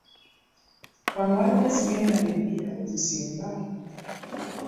Wano waliwo ezigenda e Bbira we zisimba?